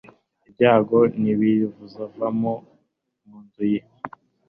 ibyago ntibizava mu nzu ye